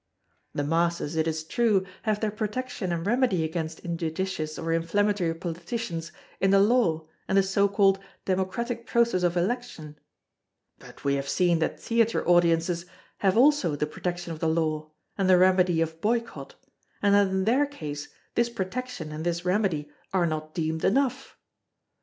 The masses, it is true, have their protection and remedy against injudicious or inflammatory politicians in the Law and the so called democratic process of election; but we have seen that theatre audiences have also the protection of the Law, and the remedy of boycott, and that in their case, this protection and this remedy are not deemed enough.